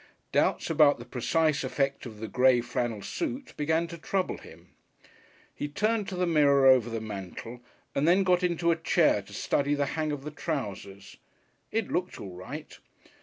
Doubts about the precise effect of the grey flannel suit began to trouble him. He turned to the mirror over the mantel, and then got into a chair to study the hang of the trousers. It looked all right.